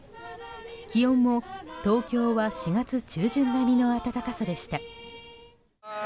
気温も東京は４月中旬並みの暖かさでした。